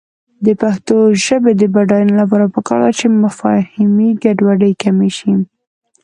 د پښتو ژبې د بډاینې لپاره پکار ده چې مفاهمې ګډوډي کمې شي.